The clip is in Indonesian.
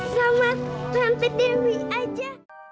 ketemu sama pantai dewi aja